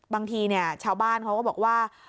บางทีชาวบ้านเขาก็บอกว่า